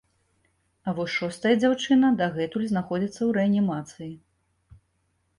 А вось шостая дзяўчына дагэтуль знаходзіцца ў рэанімацыі.